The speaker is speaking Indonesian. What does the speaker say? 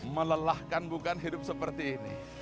melelahkan bukan hidup seperti ini